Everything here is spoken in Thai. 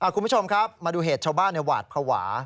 คุณผู้ชมครับมาดูเหตุชาวบ้านหวาดภาวะ